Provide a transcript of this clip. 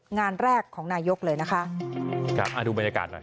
งานแรกของนายกเลยนะคะครับอ่าดูบรรยากาศหน่อย